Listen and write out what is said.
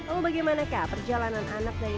lalu bagaimanakah perjalanan anak dari